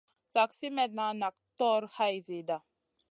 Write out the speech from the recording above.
Slak simètna nak tog hay zida.